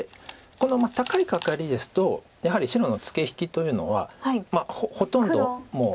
この高いカカリですとやはり白のツケ引きというのはほとんどもう。